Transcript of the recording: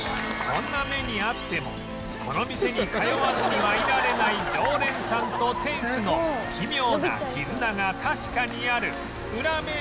こんな目に遭ってもこの店に通わずにはいられない常連さんと店主のそうよ。